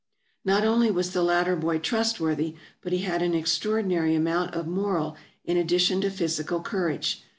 Not only was the latter boy trustworthy, but he had an extraordinary amount of moral in addition to physical cour age.